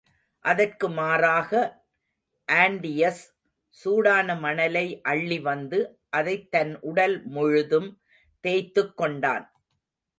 அதற்கு மாறாக ஆன்டியஸ், சூடான மணலை அள்ளி வந்து அதைத் தன் உடல் முழுதும் தேய்த்துக்கொண்டன்.